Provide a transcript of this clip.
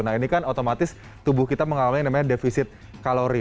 nah ini kan otomatis tubuh kita mengalami yang namanya defisit kalori